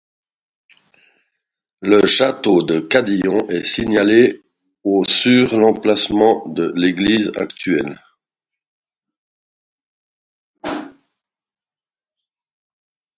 Le château de Cadillon est signalé au sur l'emplacement de l'église actuelle.